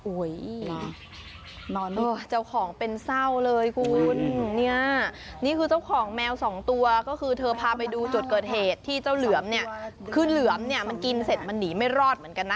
เจ้าของเป็นเศร้าเลยคุณเนี่ยนี่คือเจ้าของแมวสองตัวก็คือเธอพาไปดูจุดเกิดเหตุที่เจ้าเหลือมเนี่ยคือเหลือมเนี่ยมันกินเสร็จมันหนีไม่รอดเหมือนกันนะ